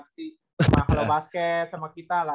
di mahalo basket sama kita lah